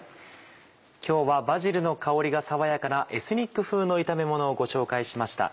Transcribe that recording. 今日はバジルの香りが爽やかなエスニック風の炒めものをご紹介しました。